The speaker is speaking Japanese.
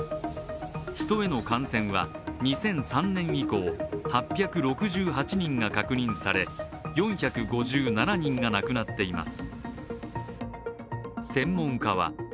ヒトへの感染は２００３年以降、８６８人が確認され４５７人が亡くなっています。